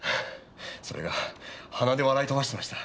それが鼻で笑い飛ばしていました。